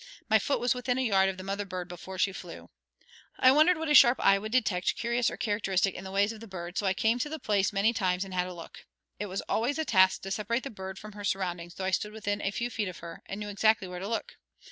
My foot was within a yard of the mother bird before she flew. I wondered what a sharp eye would detect curious or characteristic in the ways of the bird, so I came to the place many times and had a look. It was always a task to separate the bird from her surroundings though I stood within a few feet of her, and knew exactly where to look.